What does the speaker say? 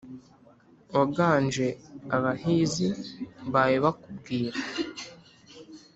waganje abahizi bawe bakubwira